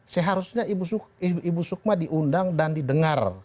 seharusnya ibu sukma diundang dan didengar